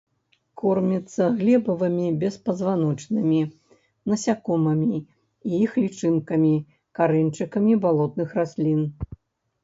Корміцца глебавымі беспазваночнымі, насякомымі і іх лічынкамі, карэньчыкамі балотных раслін.